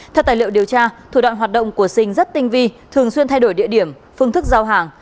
theo tài liệu điều tra thủ đoạn hoạt động của sinh rất tinh vi thường xuyên thay đổi địa điểm phương thức giao hàng